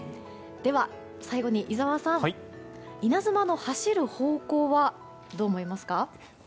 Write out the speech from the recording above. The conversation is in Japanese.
では、最後に井澤さん稲妻の走る方向はどう思いますか？